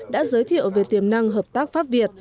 đã giới thiệu về tiềm năng hợp tác pháp việt